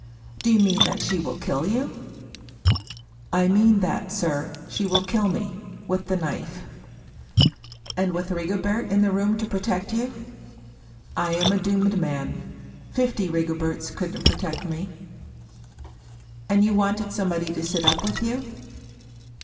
" Do you mean that she will kill you ?"" I mean that, sir, she will kill me — with the knife." " And with Rigobert in the room to protect you ?"" I am a doomed man. Fifty Rigoberts couldn't protect me." " And you wanted somebody to sit up with you